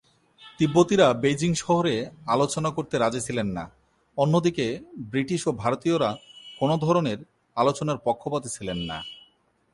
তিব্বতীরা Beijing শহরে আলোচনা করতে রাজী ছিলেন না, অন্যদিকে ব্রিটিশ ও ভারতীয়রা কোন ধরনের আলোচনার পক্ষপাতী ছিলেন না।